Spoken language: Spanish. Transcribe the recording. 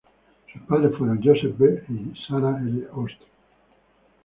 Sus padres fueron Joseph B. y Sarah L. Austin.